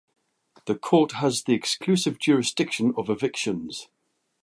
The court has the exclusive jurisdiction of evictions.